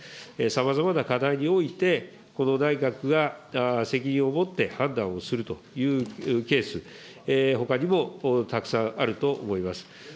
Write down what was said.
さまざまな課題において、この内閣が責任をもって判断をするというケース、ほかにもたくさんあると思います。